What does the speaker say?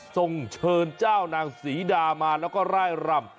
ส่งเชิญเจ้านางศรีดามาแล้วก็ร่ายรำ